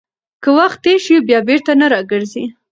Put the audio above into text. که وخت تېر شي، بیا بیرته نه راګرځي.